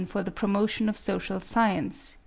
for the Promotion of Social Science, 1858.)